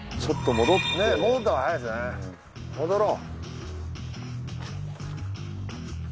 戻ろう。